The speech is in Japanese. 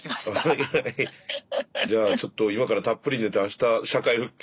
じゃあちょっと今からたっぷり寝てあした社会復帰